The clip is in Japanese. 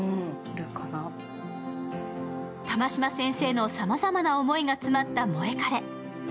玉島先生のさまざまな思いが詰まった「モエカレ」。